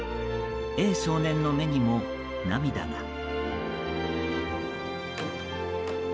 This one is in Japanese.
少年の目にも涙が。